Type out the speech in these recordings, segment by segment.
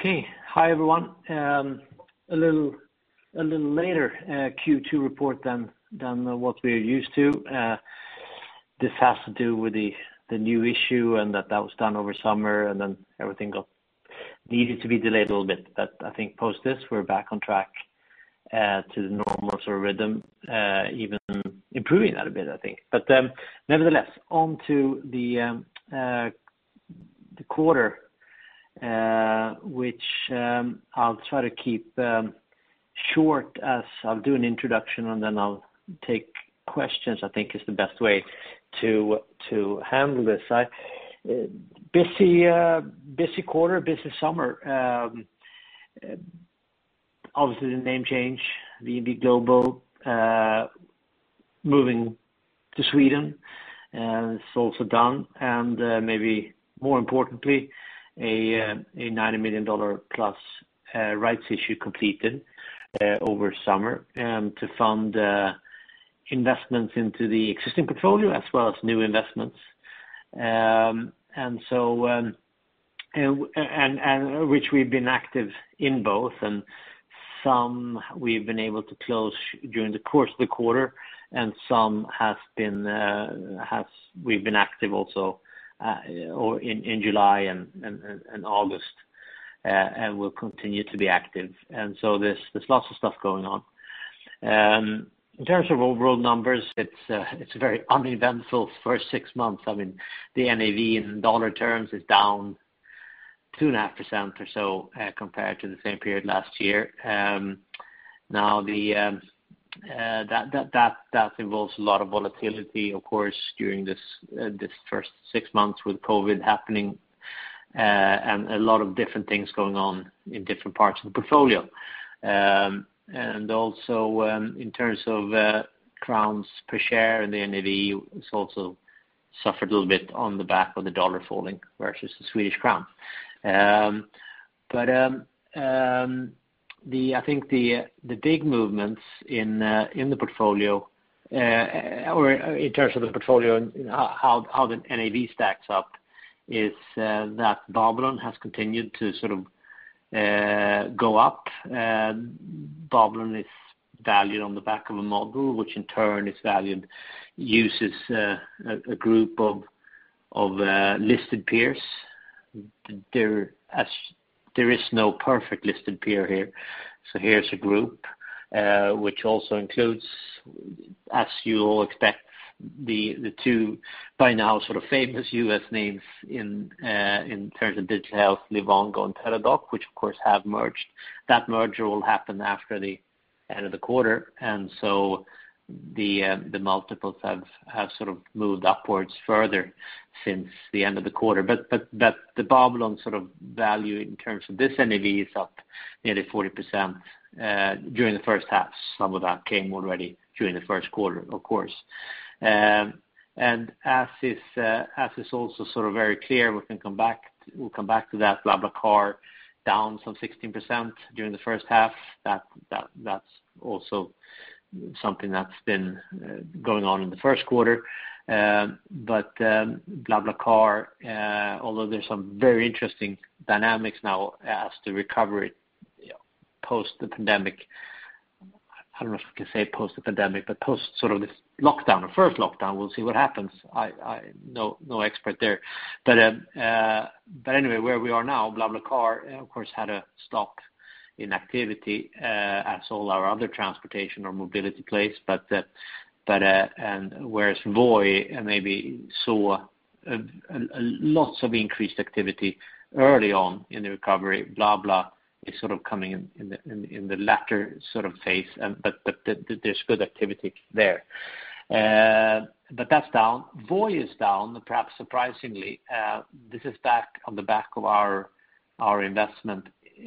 Okay. Hi, everyone. A little later Q2 report than what we're used to. This has to do with the new issue and that was done over summer, and then everything needed to be delayed a little bit. I think post this, we're back on track to the normal sort of rhythm, even improving that a bit, I think. Nevertheless, on to the quarter, which I'll try to keep short as I'll do an introduction and then I'll take questions, I think is the best way to handle this. Busy quarter, busy summer. Obviously, the name change, VNV Global, moving to Sweden is also done, maybe more importantly, a $90+ million rights issue completed over summer to fund investments into the existing portfolio as well as new investments, which we've been active in both, some we've been able to close during the course of the quarter and some we've been active also in July and August, and will continue to be active. So there's lots of stuff going on. In terms of overall numbers, it's a very uneventful first six months. The NAV in dollar terms is down 2.5% or so compared to the same period last year. That involves a lot of volatility, of course, during these first six months with COVID happening, a lot of different things going on in different parts of the portfolio. Also in terms of krona per share, the NAV has also suffered a little bit on the back of the dollar falling versus the Swedish crown. I think the big movements in terms of the portfolio and how the NAV stacks up is that Babylon has continued to sort of go up. Babylon is valued on the back of a model, which in turn is valued, uses a group of listed peers. There is no perfect listed peer here. Here is a group which also includes, as you'll expect, the two by now sort of famous U.S. names in terms of digital health, Livongo and Teladoc, which of course have merged. That merger will happen after the end of the quarter. The multiples have sort of moved upwards further since the end of the quarter. The Babylon sort of value in terms of this NAV is up nearly 40% during the first half. Some of that came already during the first quarter, of course. As is also sort of very clear, we'll come back to that. BlaBlaCar down some 16% during the first half. That's also something that's been going on in the first quarter. BlaBlaCar, although there's some very interesting dynamics now as to recovery post the pandemic, I don't know if I can say post the pandemic, but post sort of this lockdown, the first lockdown, we'll see what happens. No expert there. Anyway, where we are now, BlaBlaCar, of course, had a stop in activity as all our other transportation or mobility plays. Whereas Voi maybe saw lots of increased activity early on in the recovery, BlaBla is sort of coming in the latter phase, but there's good activity there. That's down. Voi is down, perhaps surprisingly. This is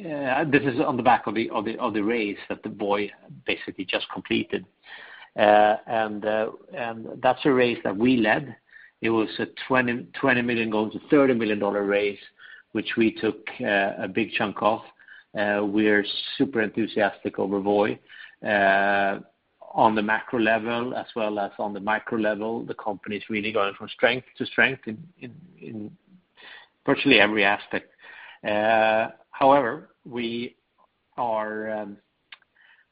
on the back of the raise that Voi basically just completed. That's a raise that we led. It was a $20 million going to $30 million raise, which we took a big chunk of. We're super enthusiastic over Voi. On the macro level as well as on the micro level, the company's really going from strength to strength in virtually every aspect. However, we are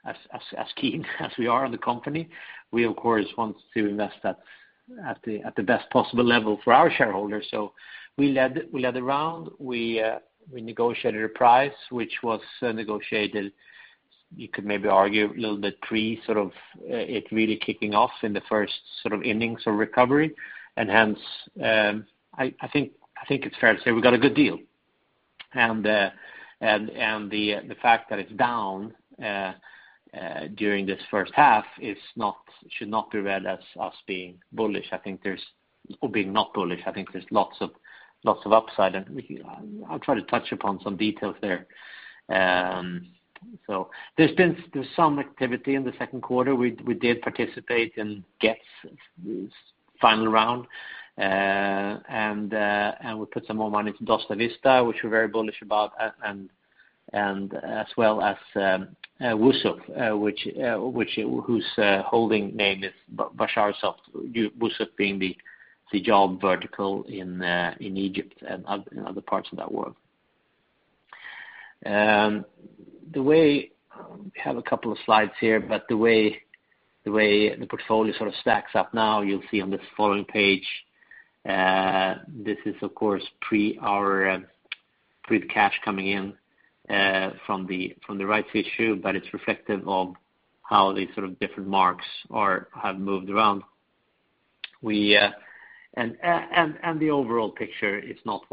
as keen as we are on the company, we of course want to invest at the best possible level for our shareholders. We led the round, we negotiated a price, which was negotiated, you could maybe argue a little bit pre sort of it really kicking off in the first innings of recovery. Hence, I think it's fair to say we got a good deal. The fact that it's down during this first half should not be read as us being bullish or being not bullish. I think there's lots of upside, and I'll try to touch upon some details there. There's been some activity in the second quarter. We did participate in Gett's final round, and we put some more money into Dostavista, which we're very bullish about as well as Wuzzuf, whose holding name is BasharSoft, Wuzzuf being the job vertical in Egypt and other parts of that world. We have a couple of slides here, but the way the portfolio sort of stacks up now, you'll see on this following page. This is, of course, pre the cash coming in from the rights issue, but it's reflective of how these sort of different marks have moved around. The overall picture, it's not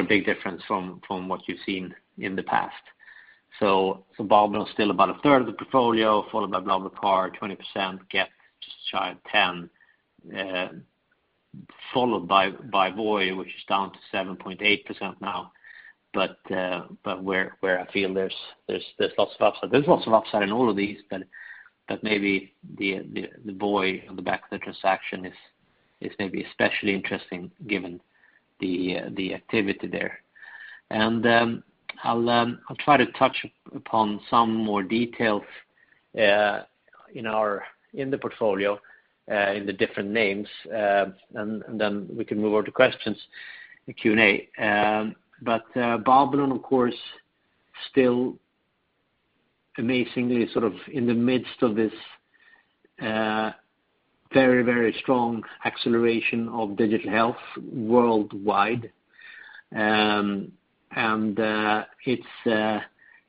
a big difference from what you've seen in the past. Babylon is still about a third of the portfolio, followed by BlaBlaCar, 20%, Gett just shy of 10, followed by Voi, which is down to 7.8% now, but where I feel there's lots of upside. There's lots of upside in all of these, but maybe the Voi on the back of the transaction is maybe especially interesting given the activity there. I'll try to touch upon some more details in the portfolio, in the different names, then we can move on to questions in Q&A. Babylon, of course, still amazingly sort of in the midst of this very strong acceleration of digital health worldwide.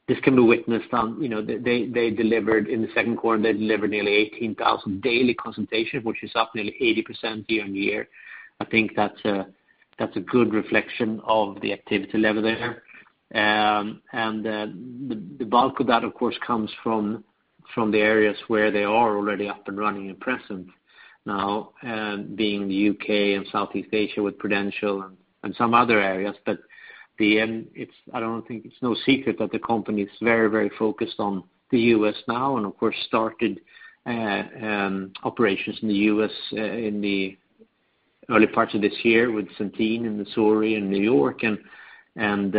This can be witnessed on, they delivered in the second quarter nearly 18,000 daily consultations, which is up nearly 80% year-on-year. I think that's a good reflection of the activity level there. The bulk of that, of course, comes from the areas where they are already up and running and present now, being the U.K. and Southeast Asia with Prudential and some other areas. It's no secret that the company is very focused on the U.S. now, and of course, started operations in the U.S. in the early parts of this year with Centene and Missouri in New York, and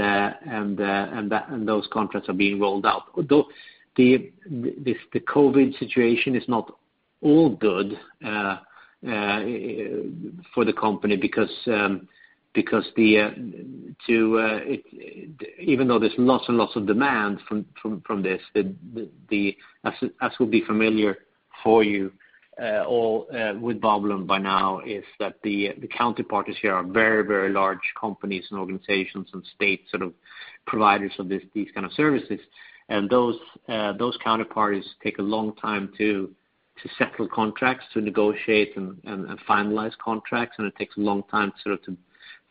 those contracts are being rolled out. The COVID situation is not all good for the company because even though there's lots and lots of demand from this, as will be familiar for you all with Babylon by now, is that the counterparties here are very large companies and organizations and state sort of providers of these kind of services. Those counterparties take a long time to settle contracts, to negotiate and finalize contracts. It takes a long time sort of to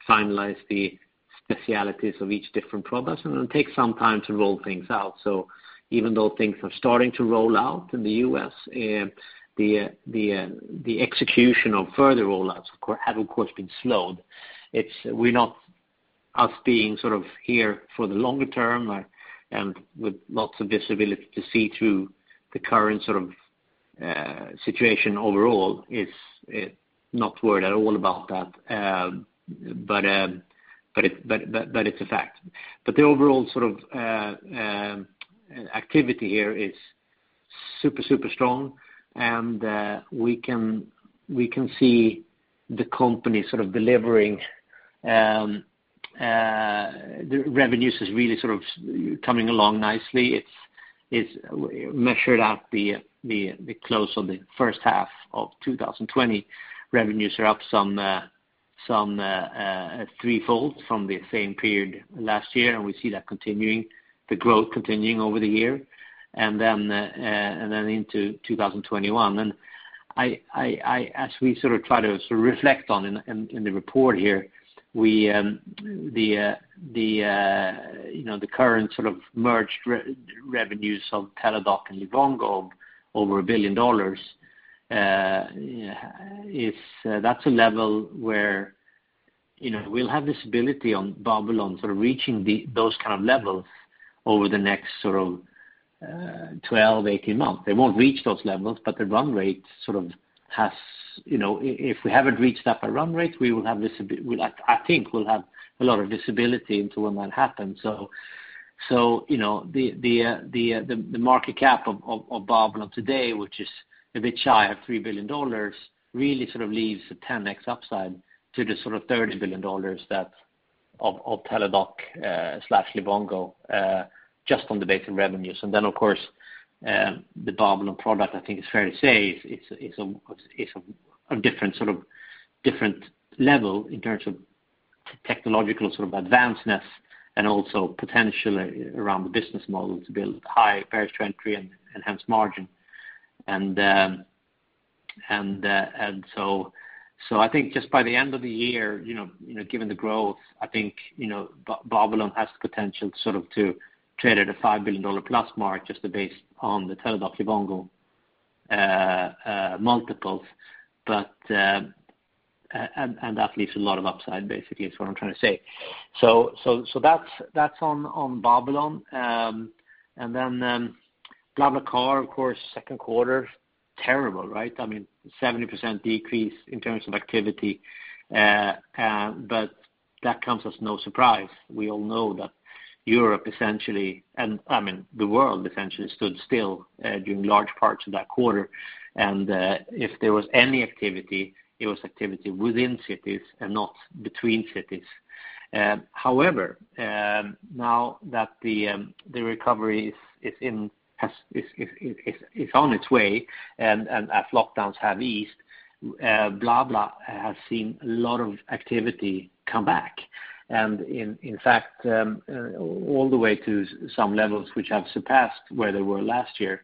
finalize the specialties of each different product, and it takes some time to roll things out. Even though things are starting to roll out in the U.S., the execution of further rollouts have, of course, been slowed. Us being sort of here for the longer term and with lots of visibility to see through the current sort of situation overall is not worried at all about that. It's a fact. The overall sort of activity here is super strong, and we can see the company sort of delivering. The revenues is really sort of coming along nicely. It measured out the close on the first half of 2020. Revenues are up some threefold from the same period last year, and we see the growth continuing over the year, and then into 2021. As we try to reflect on in the report here, the current merged revenues of Teladoc and Livongo over $1 billion, that's a level where we'll have this ability on Babylon reaching those kind of levels over the next 12, 18 months. They won't reach those levels, but the run rate has. If we haven't reached that by run rate, I think we'll have a lot of visibility into when that happens. The market cap of Babylon today, which is a bit shy of $3 billion, really leaves a 10x upside to the $30 billion of Teladoc/Livongo just on the base in revenues. Of course, the Babylon product, I think it's fair to say is a different sort of level in terms of technological sort of advancedness and also potential around the business model to build high barriers to entry and enhance margin. I think just by the end of the year, given the growth, I think Babylon has the potential sort of to trade at a $5+ billion mark just based on the Teladoc Livongo multiples. That leaves a lot of upside, basically is what I'm trying to say. That's on Babylon. BlaBlaCar, of course, second quarter, terrible, right? I mean, 70% decrease in terms of activity. That comes as no surprise. We all know that Europe, essentially, and the world essentially stood still during large parts of that quarter. If there was any activity, it was activity within cities and not between cities. However, now that the recovery is on its way, and as lockdowns have eased, Blabla has seen a lot of activity come back and in fact all the way to some levels which have surpassed where they were last year.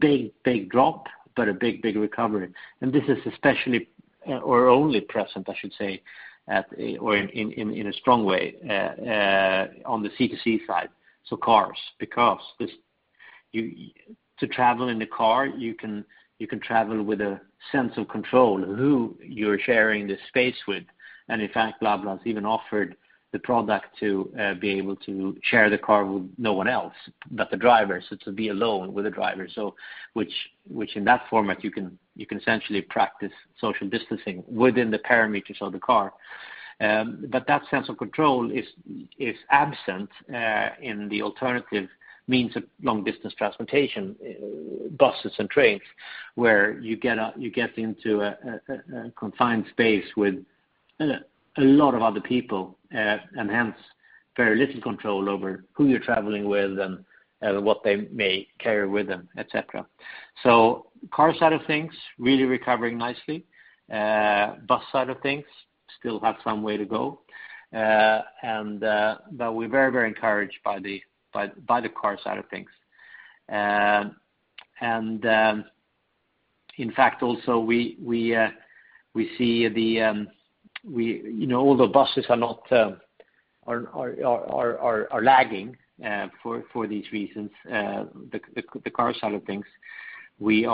Big drop, but a big recovery. This is especially or only present, I should say, or in a strong way on the C2C side, so cars. Because to travel in the car, you can travel with a sense of control of who you're sharing the space with. In fact, Blabla has even offered the product to be able to share the car with no one else but the driver, so to be alone with the driver. Which in that format, you can essentially practice social distancing within the parameters of the car. That sense of control is absent in the alternative means of long-distance transportation, buses and trains, where you get into a confined space with a lot of other people and hence very little control over who you're traveling with and what they may carry with them, et cetera. Car side of things really recovering nicely. Bus side of things still have some way to go. We're very encouraged by the car side of things. In fact, also we see although buses are lagging for these reasons, the car side of things, we're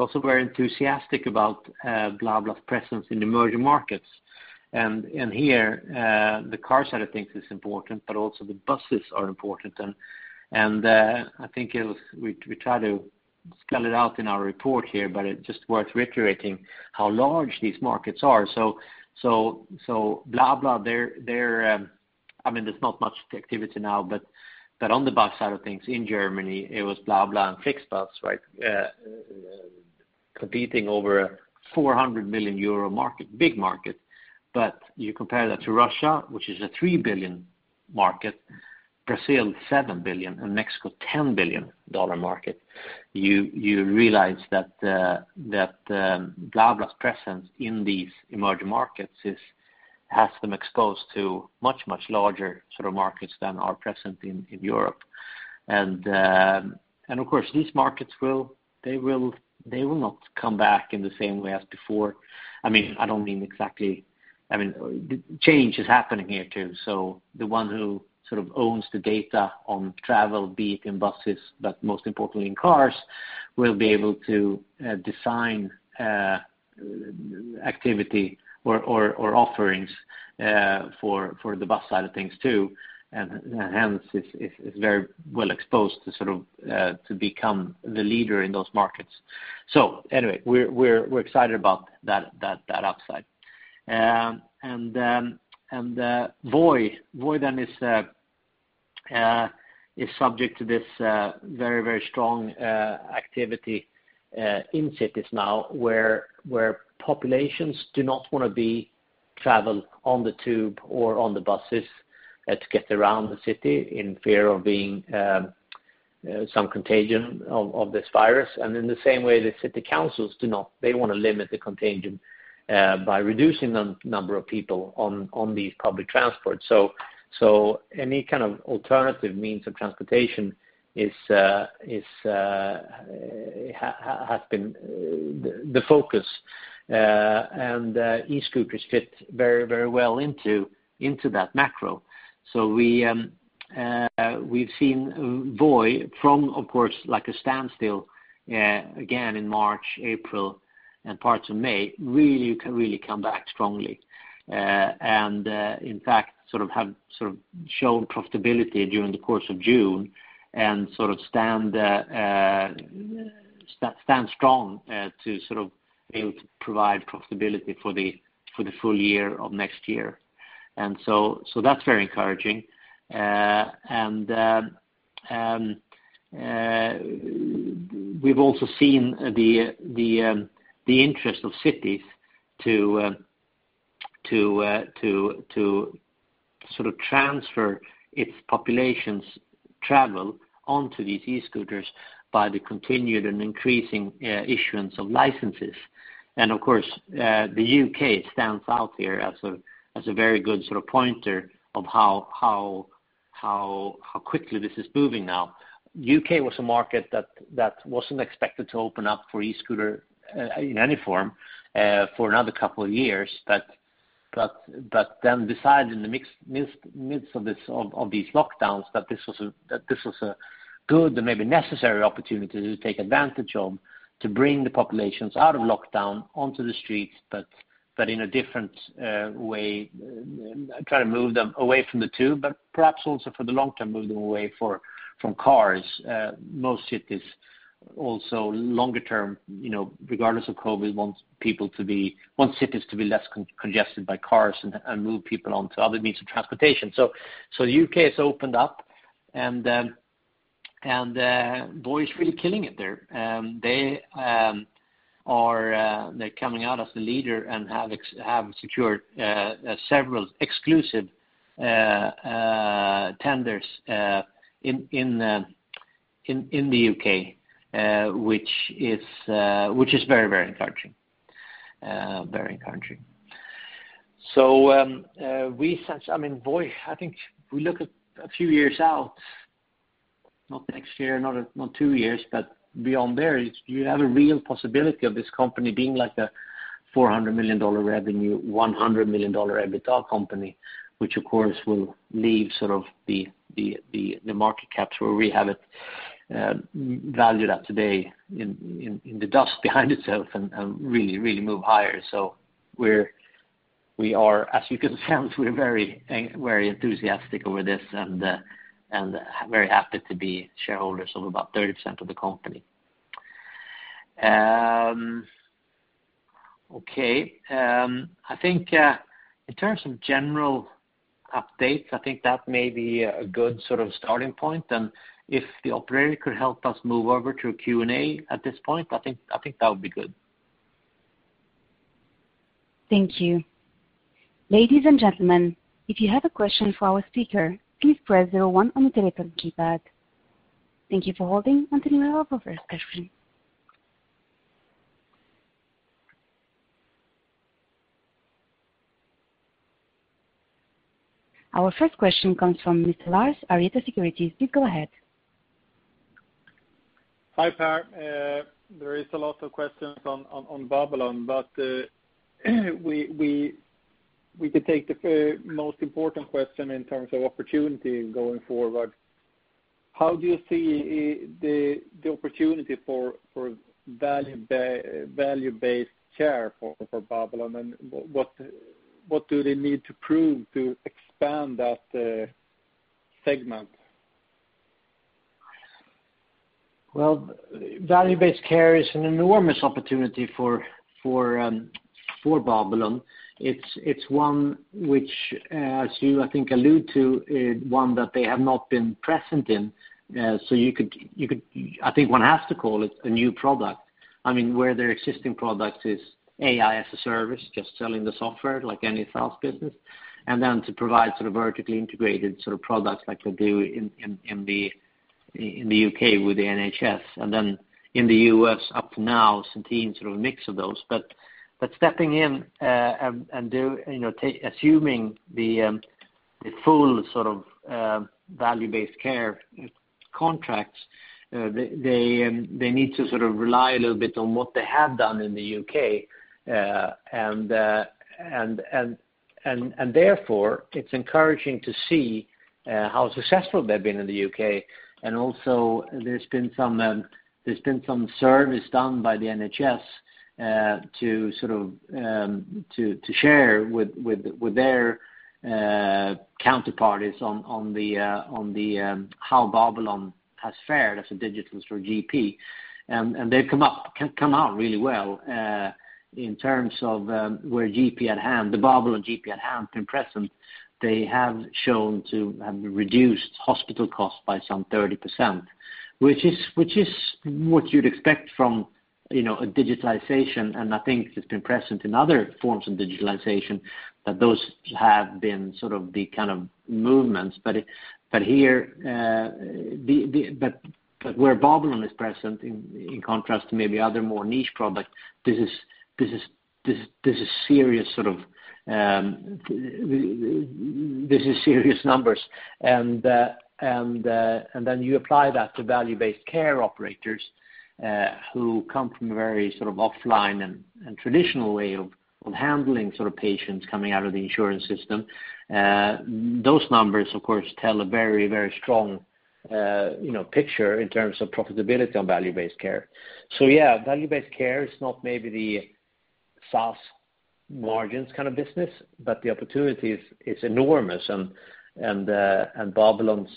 also very enthusiastic about Blabla's presence in emerging markets. Here, the car side of things is important, but also the buses are important. I think we try to spell it out in our report here, but it's just worth reiterating how large these markets are. Blabla, there's not much activity now, but on the bus side of things in Germany, it was Blabla and FlixBus competing over a 400 million euro market. Big market. You compare that to Russia, which is a $3 billion market, Brazil, $7 billion, and Mexico, $10 billion market, you realize that Blabla's presence in these emerging markets has them exposed to much larger sort of markets than are present in Europe. Of course, these markets will not come back in the same way as before. Change is happening here too. The one who sort of owns the data on travel, be it in buses, but most importantly in cars, will be able to design activity or offerings for the bus side of things too, and hence is very well exposed to sort of become the leader in those markets. Voi then is subject to this very strong activity in cities now where populations do not want to be traveling on the tube or on the buses to get around the city in fear of being some contagion of this virus. In the same way, the city councils do not. They want to limit the contagion by reducing the number of people on these public transports. Any kind of alternative means of transportation has been the focus, and e-scooters fit very well into that macro. We've seen Voi from, of course, like a standstill again in March, April, and parts of May really come back strongly. In fact, have shown profitability during the course of June and stand strong to sort of be able to provide profitability for the full year of next year. That's very encouraging. We've also seen the interest of cities to sort of transfer its population's travel onto these e-scooters by the continued and increasing issuance of licenses. Of course, the U.K. stands out here as a very good sort of pointer of how quickly this is moving now. U.K. was a market that wasn't expected to open up for e-scooter in any form for another couple of years, but then decided in the midst of these lockdowns that this was a good and maybe necessary opportunity to take advantage of to bring the populations out of lockdown onto the streets, but in a different way, try to move them away from the tube, but perhaps also for the long term, move them away from cars. Most cities also longer term, regardless of COVID, want cities to be less congested by cars and move people onto other means of transportation. The U.K. has opened up, and Voi is really killing it there. They're coming out as the leader and have secured several exclusive tenders in the U.K., which is very encouraging. I think we look a few years out, not next year, not two years, but beyond there, you have a real possibility of this company being like a $400 million revenue, $100 million EBITDA company, which, of course, will leave the market caps where we have it valued at today in the dust behind itself and really move higher. As you can sense, we're very enthusiastic over this and very happy to be shareholders of about 30% of the company. Okay. I think in terms of general updates, I think that may be a good starting point. If the operator could help us move over to Q&A at this point, I think that would be good. Thank you. Ladies and gentlemen, if you have a question for our speaker, please press zero one on the telephone keypad. Thank you for holding until we have our first question. Our first question comes from Mr. Lars, Aretha Securities. Please go ahead. Hi, Per. There is a lot of questions on Babylon, but we could take the most important question in terms of opportunity going forward. How do you see the opportunity for value-based care for Babylon, and what do they need to prove to expand that segment? Well, value-based care is an enormous opportunity for Babylon. It's one which, as you, I think, allude to, one that they have not been present in. I think one has to call it a new product. Where their existing product is AI as a service, just selling the software like any SaaS business, and then to provide vertically integrated products like they do in the U.K. with the NHS, and then in the U.S. up to now, Centene, a mix of those. Stepping in and assuming the full value-based care contracts, they need to rely a little bit on what they have done in the U.K. Therefore, it's encouraging to see how successful they've been in the U.K. Also, there's been some service done by the NHS to share with their counterparties on how Babylon has fared as a digital GP. They've come out really well in terms of where the Babylon GP at Hand can present. They have shown to have reduced hospital costs by some 30%, which is what you'd expect from a digitalization, and I think it's been present in other forms of digitalization that those have been the kind of movements. Where Babylon is present, in contrast to maybe other more niche products, this is serious numbers. You apply that to value-based care operators who come from a very offline and traditional way of handling patients coming out of the insurance system. Those numbers, of course, tell a very strong picture in terms of profitability on value-based care. Value-based care is not maybe the SaaS margins kind of business, but the opportunity is enormous and Babylon's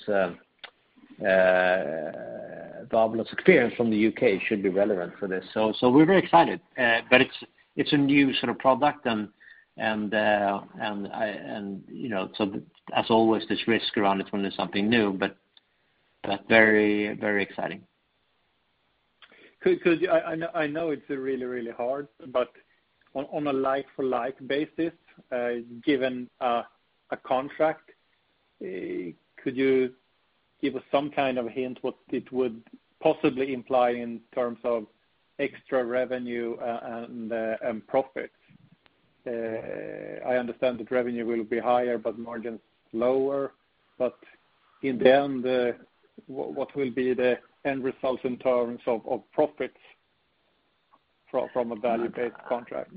experience from the U.K. should be relevant for this. We're very excited. It's a new product and so, as always, there's risk around it when there's something new, but very exciting. I know it's really hard, on a like-for-like basis given a contract, could you give us some kind of hint what it would possibly imply in terms of extra revenue and profits? I understand that revenue will be higher, but margins lower. In the end, what will be the end results in terms of profits? From a value-based contract.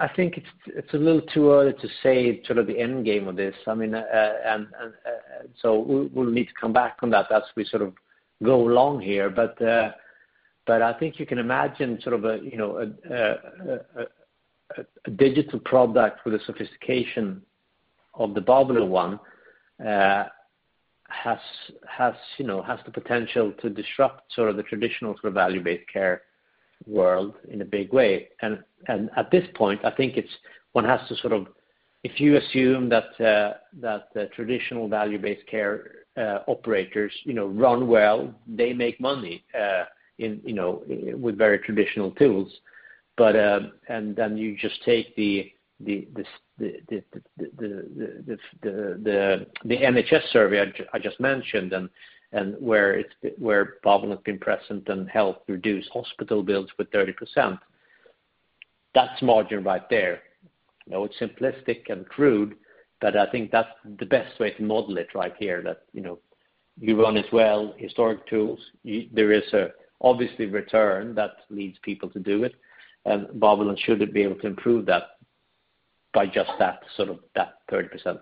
I think it's a little too early to say the end game of this. We'll need to come back on that as we go along here. I think you can imagine a digital product with the sophistication of the Babylon one has the potential to disrupt the traditional value-based care world in a big way. At this point, if you assume that the traditional value-based care operators run well, they make money with very traditional tools. You just take the NHS survey I just mentioned and where Babylon have been present and helped reduce hospital bills with 30%. That's margin right there. It's simplistic and crude, but I think that's the best way to model it right here. That you run it well, historic tools. There is obviously return that leads people to do it, and Babylon should be able to improve that by just that 30%.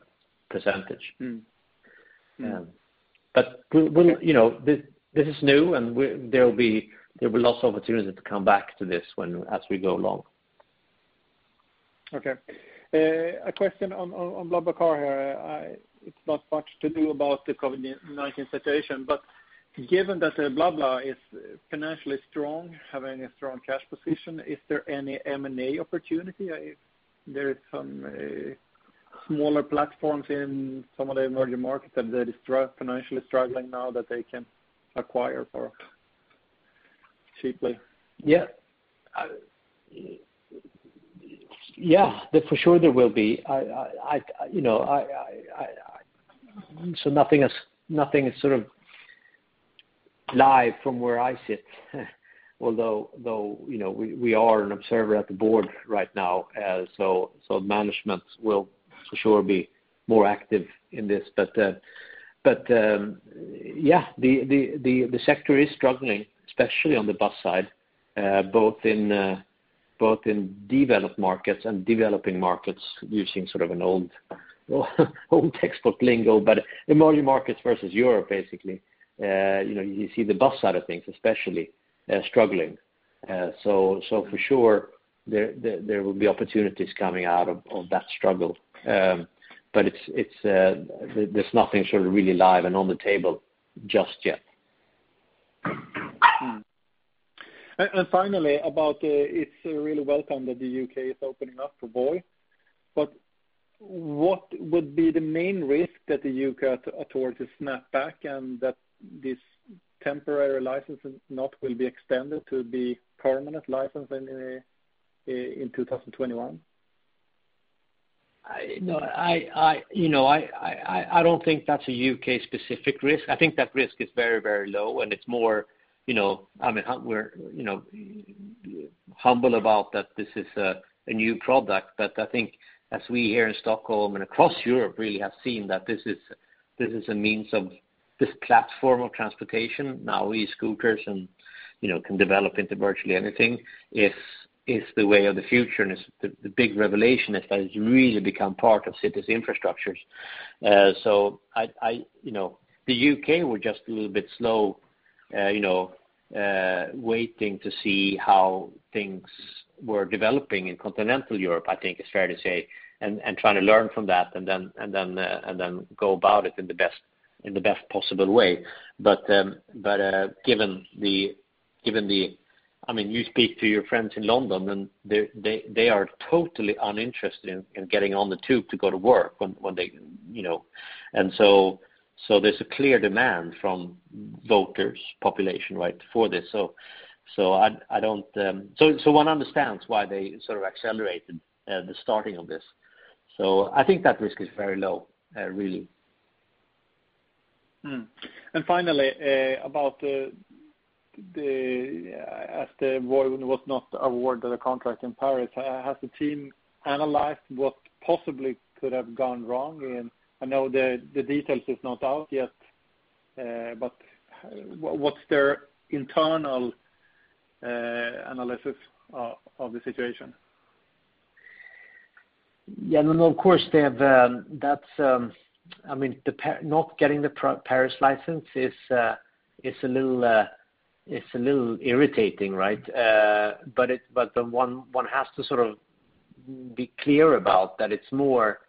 This is new, and there will be lots of opportunities to come back to this as we go along. Okay. A question on BlaBlaCar here. It's not much to do about the COVID-19 situation, but given that BlaBla is financially strong, having a strong cash position, is there any M&A opportunity? There is some smaller platforms in some of the emerging markets that are financially struggling now that they can acquire cheaply. Yeah. For sure there will be. Nothing is live from where I sit, although we are an observer at the board right now. Management will for sure be more active in this. Yeah, the sector is struggling, especially on the bus side, both in developed markets and developing markets, using an old textbook lingo, but emerging markets versus Europe, basically. You see the bus side of things especially struggling. For sure, there will be opportunities coming out of that struggle. There's nothing really live and on the table just yet. Finally, it's really welcome that the U.K. is opening up for Voi. What would be the main risk that the U.K. authorities snap back and that this temporary license will not be extended to be permanent license in 2021? I don't think that's a U.K.-specific risk. I think that risk is very low, and we're humble about that this is a new product. I think as we here in Stockholm and across Europe really have seen that this platform of transportation, now e-scooters can develop into virtually anything, is the way of the future and is the big revelation as that has really become part of cities' infrastructures. The U.K. were just a little bit slow waiting to see how things were developing in continental Europe, I think is fair to say, and trying to learn from that and then go about it in the best possible way. You speak to your friends in London, and they are totally uninterested in getting on the tube to go to work. There's a clear demand from voters, population for this. One understands why they accelerated the starting of this. I think that risk is very low, really. Finally, as Voi was not awarded a contract in Paris, has the team analyzed what possibly could have gone wrong? I know the details is not out yet, but what's their internal analysis of the situation? Of course. Not getting the Paris license is a little irritating. One has to be clear about that it's more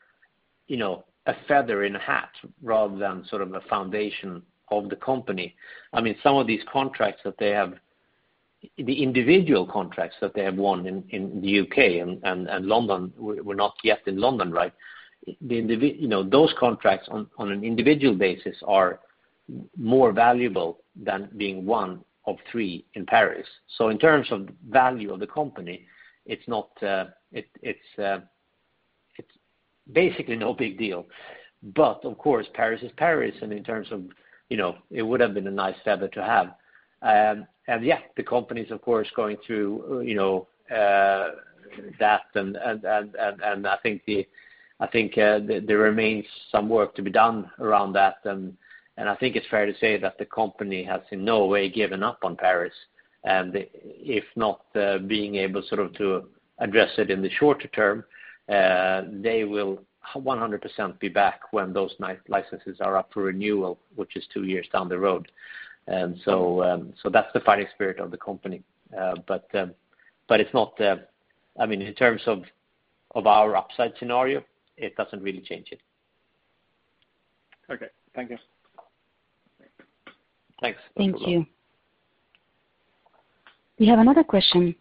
a feather in a hat rather than a foundation of the company. Some of these contracts that they have, the individual contracts that they have won in the U.K. and London, we're not yet in London. Those contracts on an individual basis are more valuable than being one of three in Paris. In terms of value of the company, it's basically no big deal. Of course, Paris is Paris, and it would have been a nice feather to have. Yeah, the company's, of course, going through that, and I think there remains some work to be done around that, and I think it's fair to say that the company has in no way given up on Paris. And if not being able to address it in the shorter term, they will 100% be back when those licenses are up for renewal, which is two years down the road. That's the fighting spirit of the company. I mean, in terms of our upside scenario, it doesn't really change it. Okay. Thank you. Thanks. Thank you. We have another question.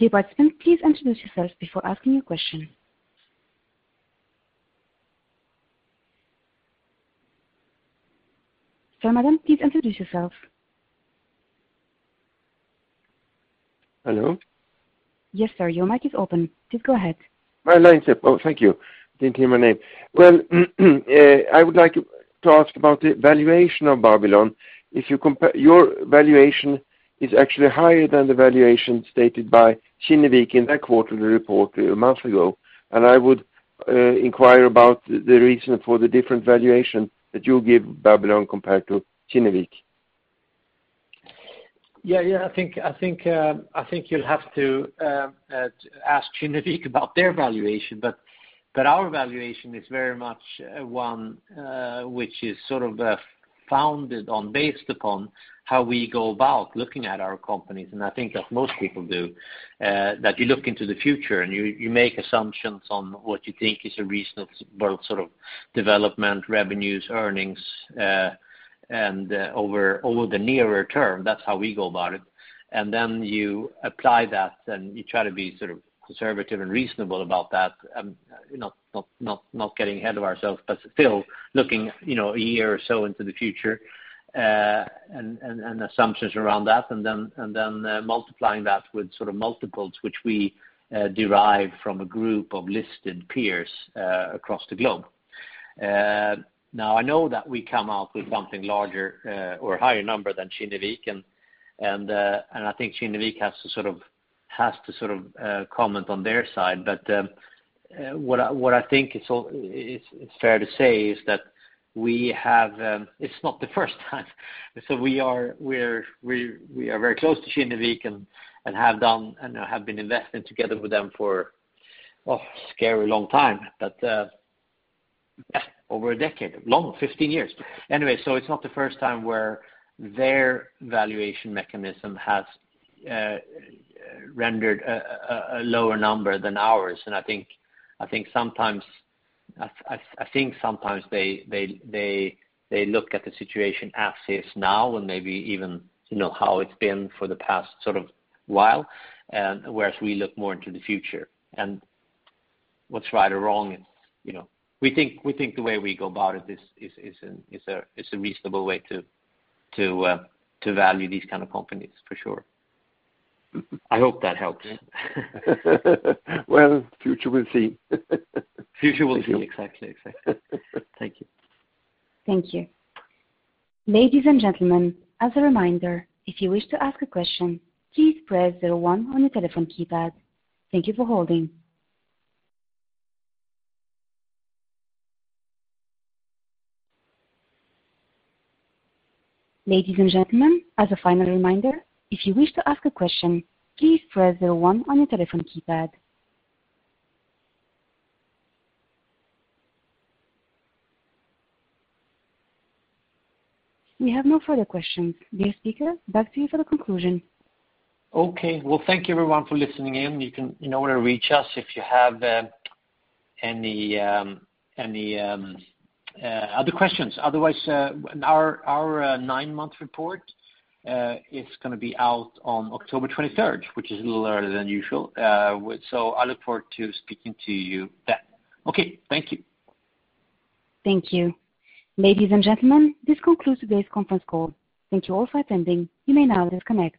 Dear participant, please introduce yourself before asking your question. Sir Madam, please introduce yourself. Hello. Yes, sir. Your mic is open. Please go ahead. My line's open. Thank you. Didn't hear my name. Well, I would like to ask about the valuation of Babylon. Your valuation is actually higher than the valuation stated by Kinnevik in their quarterly report a month ago. I would inquire about the reason for the different valuation that you give Babylon compared to Kinnevik. Yeah. I think you'll have to ask Kinnevik about their valuation, but our valuation is very much one which is sort of founded on, based upon how we go about looking at our companies. I think as most people do, that you look into the future and you make assumptions on what you think is a reasonable sort of development, revenues, earnings, and over the nearer term. That's how we go about it. Then you apply that and you try to be sort of conservative and reasonable about that, not getting ahead of ourselves, but still looking a year or so into the future, and assumptions around that, and then multiplying that with sort of multiples which we derive from a group of listed peers across the globe. I know that we come out with something larger or higher number than Kinnevik. I think Kinnevik has to sort of comment on their side. What I think is fair to say is that it's not the first time. We are very close to Kinnevik and have been investing together with them for, scary, long time, but over a decade. Long, 15 years. Anyway, it's not the first time where their valuation mechanism has rendered a lower number than ours, and I think sometimes they look at the situation as is now and maybe even how it's been for the past while, whereas we look more into the future. What's right or wrong, we think the way we go about it is a reasonable way to value these kind of companies, for sure. I hope that helps. Well, future will see. Future will see. Exactly. Thank you. Thank you. Ladies and gentlemen, as a reminder, if you wish to ask a question, please press zero one on your telephone keypad. Thank you for holding. Ladies and gentlemen, as a final reminder, if you wish to ask a question, please press zero one on your telephone keypad. We have no further questions. Dear speaker, back to you for the conclusion. Okay. Well, thank you everyone for listening in. You know where to reach us if you have any other questions. Otherwise, our nine-month report is going to be out on October 23rd, which is a little earlier than usual. I look forward to speaking to you then. Okay. Thank you. Thank you. Ladies and gentlemen, this concludes today's conference call. Thank you all for attending. You may now disconnect.